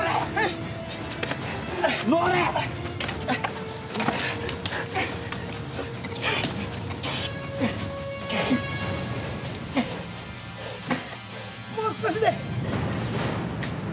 もう少しで。